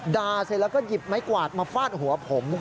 เสร็จแล้วก็หยิบไม้กวาดมาฟาดหัวผม